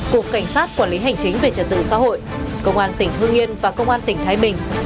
cục cảnh sát quản lý hành chính về trật tự xã hội công an tỉnh hương yên và công an tỉnh thái bình